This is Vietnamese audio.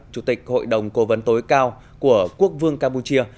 chủ tịch hội đồng cố vấn tối cao của quốc vương campuchia